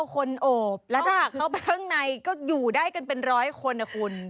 กี่คนโอบนะคะเก้าคนโอบแล้วถ้าเข้าไปเพิ่งในก็อยู่ได้กันเป็นร้อยคนอ่ะคุณ